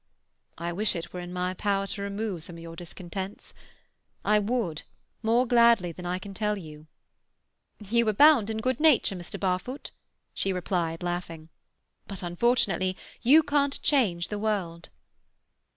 "I wish it were in my power to remove some of your discontents. I would, more gladly than I can tell you." "You abound in good nature, Mr. Barfoot," she replied laughing. "But unfortunately you can't change the world."